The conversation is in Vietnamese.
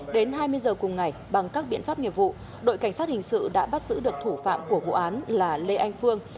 đến hai mươi giờ cùng ngày bằng các biện pháp nghiệp vụ đội cảnh sát hình sự đã bắt giữ được thủ phạm của vụ án là lê anh phương